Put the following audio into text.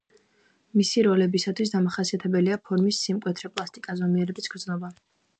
მისი როლებისათვის დამახასიათებელია ფორმის სიმკვეთრე, პლასტიკა, ზომიერების გრძნობა.